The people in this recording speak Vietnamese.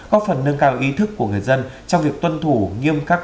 có phần nâng cao ý thức của người dân trong việc tuân thủ nghiêm khắc